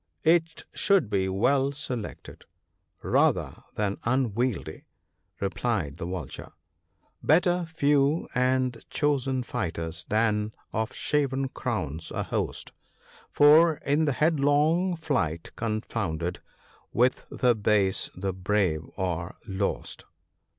" It should be well selected, rather than unwieldy," replied the Vulture —" Better few and chosen fighters than of shaven crowns a host, For, in headlong flight confounded, with the base the brave are lost."